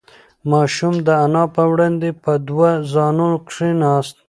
ماشوم د انا په وړاندې په دوه زانو کښېناست.